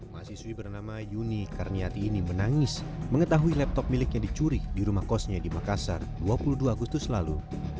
mahasiswi bernama yuni karniati ini menangis mengetahui laptop miliknya dicuri di rumah kosnya di makassar dua puluh dua agustus lalu